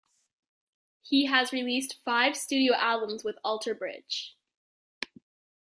He has released five studio albums with Alter Bridge.